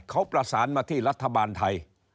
เขาประสานมาที่รัฐบาลไทย